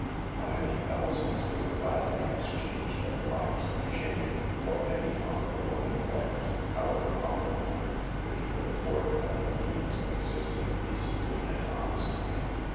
How many thousands would gladly exchange their lives of shame for any honorable employ ment, however humble, which would afford them the means of existing decently and hon estly